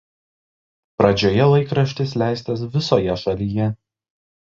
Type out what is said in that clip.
Pradžioje laikraštis leistas visoje šalyje.